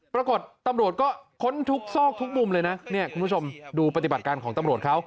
ปรากฏตำรวจก็ค้นทุกซอกทุกมุมเลยนะเนี่ยคุณผู้ชมดูปฏิบัติการของตำรวจเขา